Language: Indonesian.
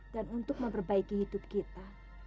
dan untuk memperbaiki hidup kita